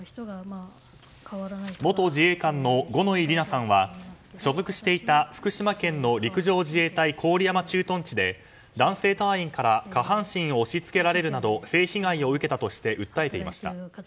元自衛官の五ノ井里奈さんは所属していた福島県の陸上自衛隊郡山駐屯地で男性隊員から下半身を押し付けられるなど性被害を受けたとして訴えていました。